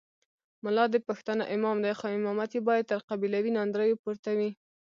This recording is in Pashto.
ملا د پښتانه امام دی خو امامت یې باید تر قبیلوي ناندریو پورته وي.